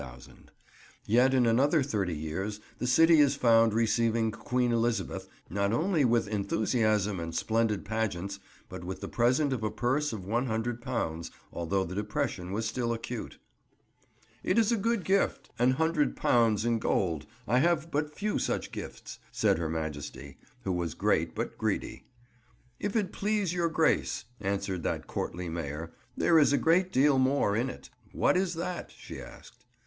Yet in another thirty years the city is found receiving Queen Elizabeth not only with enthusiasm and splendid pageants, but with the present of a purse of £100; although the depression was still acute. "It is a good gift, an hundred pounds in gold; I have but few such gifts," said her Majesty, who was great but greedy. "If it please your Grace," answered that courtly Mayor, "there is a great deal more in it." "What is that?" she asked.